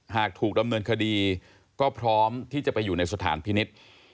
หากถูกดำเนินคดีก็พร้อมที่จะไปอยู่ในสถานพินิษฐ์